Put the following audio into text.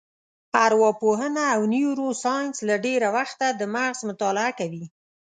ارواپوهنه او نیورو ساینس له ډېره وخته د مغز مطالعه کوي.